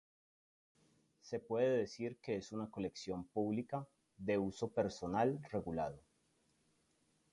Se puede decir que es una colección pública, de uso personal regulado.